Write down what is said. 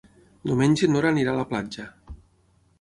Diumenge na Nora irà a la platja.